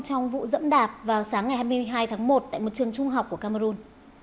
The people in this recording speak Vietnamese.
trong vụ dẫm đạp vào sáng ngày hai mươi hai tháng một tại một trường trung học của cameroon